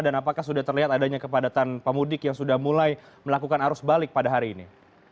dan apakah sudah terlihat adanya kepadatan pemudik yang sudah mulai melakukan arus balik pada hari ini